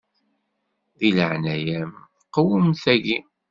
Di leɛnaya-m qwem taki.